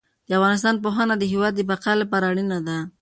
د افغانستان پوهنه د هېواد د بقا لپاره اړینه ده.